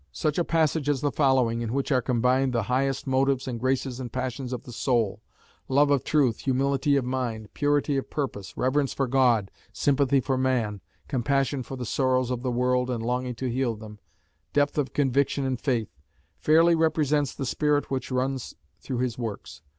Such a passage as the following in which are combined the highest motives and graces and passions of the soul, love of truth, humility of mind, purity of purpose, reverence for God, sympathy for man, compassion for the sorrows of the world and longing to heal them, depth of conviction and faith fairly represents the spirit which runs through his works.